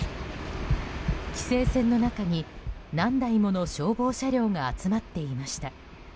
規制線の中に何台もの消防車両が集まっていました。